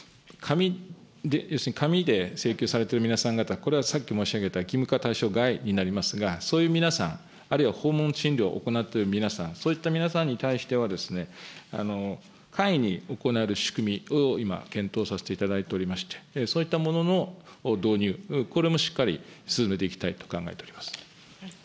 紙で請求されてる皆さん方、これはさっき申し上げた義務化対象外になりますが、そういう皆さん、あるいは訪問診療を行っている皆さん、そういった皆さんに対しては、簡易に行える仕組みを今検討させていただいておりまして、そういったものの導入、これもしっかり進めていきたいと考えております。